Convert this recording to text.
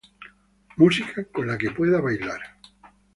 Música con la que pueda bailar.